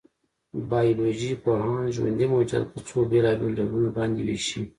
بایولوژيپوهان ژوندي موجودات په څو بېلابېلو ډولونو باندې وېشي.